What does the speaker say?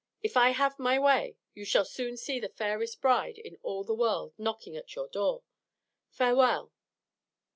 If I have my way, you shall soon see the fairest bride in all the world knocking at your door. Farewell!"